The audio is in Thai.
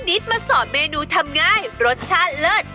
นิดมาสอนเมนูทำง่ายรสชาติเลิศ